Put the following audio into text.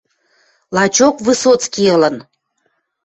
Лачок Высоцкий ылын.